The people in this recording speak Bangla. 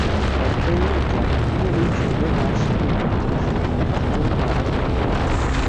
এতে জনপ্রিয় এই ছোট মাছ পুকুরে চাষে কোনো বাধা থাকল না।